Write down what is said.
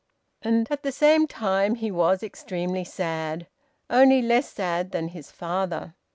And at the same time he was extremely sad, only less sad than his father.